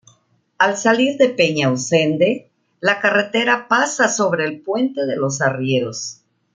Al salir de Peñausende, la carretera pasa sobre el Puente de los Arrieros.